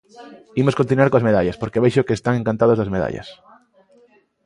Imos continuar coas medallas, porque vexo que están encantados das medallas.